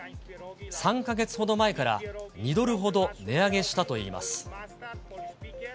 ３か月ほど前から、２ドルほど値上げしたといいます。